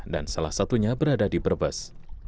dan salah satunya berada di brebes